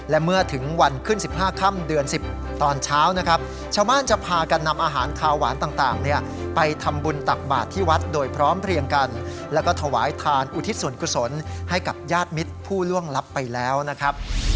และเมื่อถึงวันขึ้น๑๕ค่ำเดือน๑๐ตอนเช้านะครับชาวบ้านจะพากันนำอาหารขาวหวานต่างไปทำบุญตักบาทที่วัดโดยพร้อมเพลียงกันแล้วก็ถวายทานอุทิศส่วนกุศลให้กับญาติมิตรผู้ล่วงลับไปแล้วนะครับ